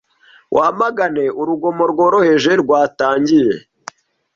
Wamagane urugomo rworoheje rwatangiye